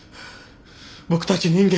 僕たち人間。